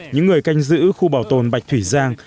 những người canh giữ khu bảo tồn bạch thủy giang